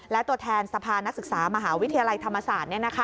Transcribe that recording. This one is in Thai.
และตัวแทนสภานักศึกษามหาวิทยาลัยธรรมศาสตร์